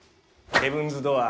ヘブンズ・ドアー。